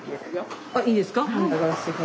あいいですか？